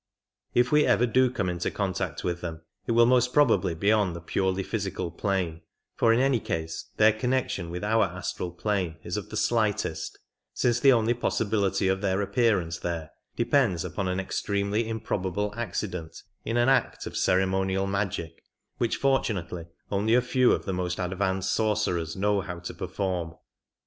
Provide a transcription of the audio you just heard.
If we ever do come into contact with them it will most probably be on the purely physical plane, for in any case their connection with our astral plane is of the slightest, since the only possibility of their appearance there depends upon an extremely improbable accident in an act of cere monial magic, which fortunately only a few of the most advanced sorcerers know how to perform.